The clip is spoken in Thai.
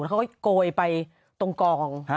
เขาก็โกยไปตรงกอง